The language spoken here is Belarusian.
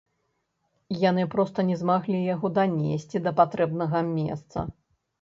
Яны проста не змаглі яго данесці да патрэбнага месца.